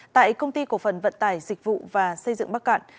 tại công ty cổ phần vận tải dịch vụ và xây dựng bắc cạn